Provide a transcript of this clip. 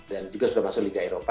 dan juga sudah masuk liga eropa